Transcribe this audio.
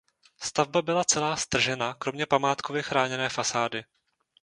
Stavba byla celá stržena kromě památkově chráněné fasády.